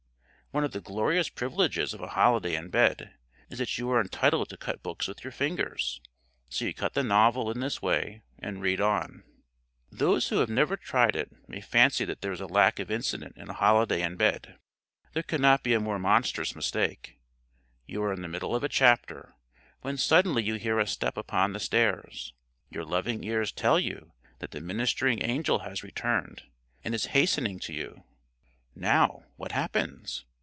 One of the glorious privileges of a holiday in bed is that you are entitled to cut books with your fingers. So you cut the novel in this way, and read on. [Illustration: You are in the middle of a chapter ] Those who have never tried it may fancy that there is a lack of incident in a holiday in bed. There could not be a more monstrous mistake. You are in the middle of a chapter, when suddenly you hear a step upon the stairs. Your loving ears tell you that the ministering angel has returned, and is hastening to you. Now, what happens?